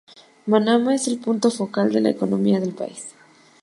Manama es el punto focal de la economía del país.